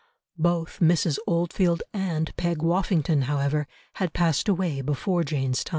Both Mrs. Oldfield and Peg Woffington, however, had passed away before Jane's time.